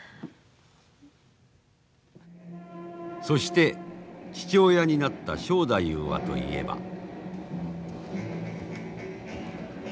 そして父親になった正太夫はといえば。